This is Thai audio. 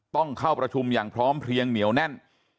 ต้องเข้าประชุมอย่างพร้อมเพลียงเหนียวแน่น